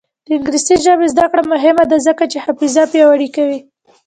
د انګلیسي ژبې زده کړه مهمه ده ځکه چې حافظه پیاوړې کوي.